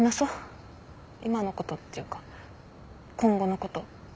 今のことっていうか今後のこと。